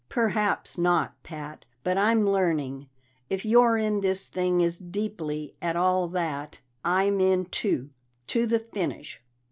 "Perhaps not, Pat, but I'm learning. If you're in this thing as deeply at all that, I'm in too to the finish.